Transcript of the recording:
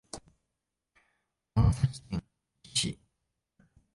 長崎県壱岐市